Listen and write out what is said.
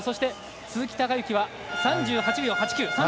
鈴木孝幸は３８秒８９。